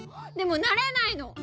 でもなれないの。